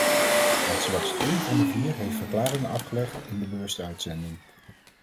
Want slechts één van de vier heeft verklaringen afgelegd in de bewuste uitzending.